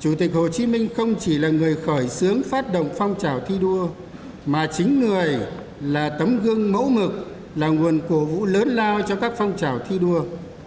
chủ tịch hồ chí minh không chỉ là người khởi xướng phát động phong trào thi đua mà chính người là tấm gương mẫu mực là nguồn cổ vũ lớn lao cho các phong trào thi đua